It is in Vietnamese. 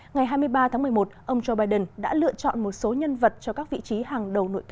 ngày hai mươi ba tháng một mươi một ông joe biden đã lựa chọn một số nhân vật cho các vị trí